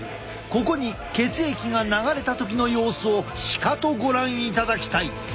ここに血液が流れた時の様子をしかとご覧いただきたい。